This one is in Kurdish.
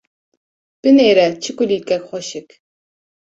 Binêre çi kulîlkek xweşik.